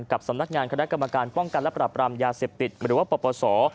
กับสำนักงานคณะกรรมการป้องกันและปรับรามยาเสพติดหรือว่าปปศ